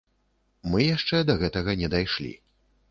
Мы яшчэ да гэтага не дайшлі.